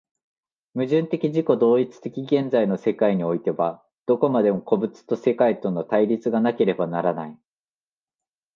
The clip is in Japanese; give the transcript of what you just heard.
矛盾的自己同一的現在の世界においては、どこまでも個物と世界との対立がなければならない。